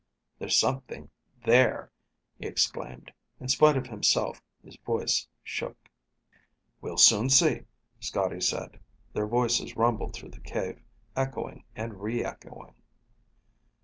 "There's something there," he exclaimed. In spite of himself, his voice shook. "We'll soon see," Scotty said. Their voices rumbled through the cave, echoing and re echoing.